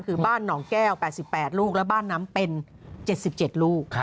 คือบ้านหนองแก้ว๘๘ลูกและบ้านน้ำเป็น๗๗ลูก